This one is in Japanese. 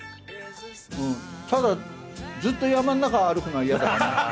ただずっと山ん中歩くのは嫌だよ。